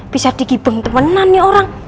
bisa digibeng temenan ya orang